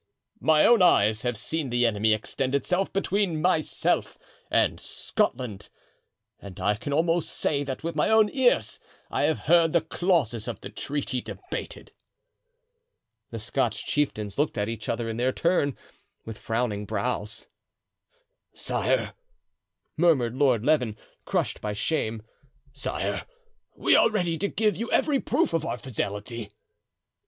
"My own eyes have seen the enemy extend itself between myself and Scotland; and I can almost say that with my own ears I have heard the clauses of the treaty debated." The Scotch chieftains looked at each other in their turn with frowning brows. "Sire," murmured Lord Leven, crushed by shame, "sire, we are ready to give you every proof of our fidelity."